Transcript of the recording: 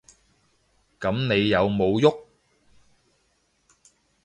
噉你有無郁？